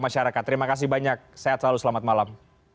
masyarakat terima kasih banyak sehat selalu selamat malam